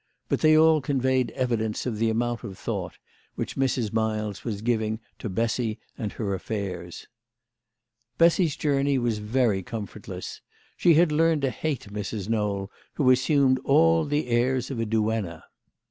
But they all conveyed evidence of the amount of thought which Mrs. Miles was giving to Bessy and her affairs. Bessy's journey was very comfortless. She had learned to hate Mrs. Knowl, who assumed all the airs of a duenna.